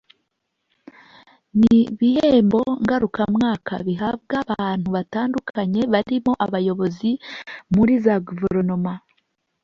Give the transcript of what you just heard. ni ibihembo ngarukamwaka bihabwa abantu batandukanye barimo abayobozi muri za guverinoma